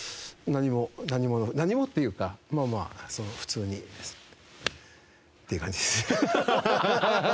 何も「何も」っていうかまあまあ普通にっていう感じです。